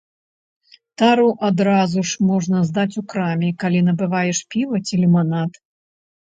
Тару адразу ж можна здаць у краме, калі набываеш піва ці ліманад.